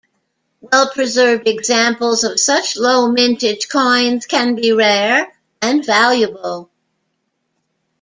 Well preserved examples of such low mintage coins can be rare and valuable.